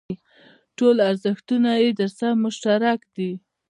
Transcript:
ټول ارزښتونه یې درسره مشترک دي.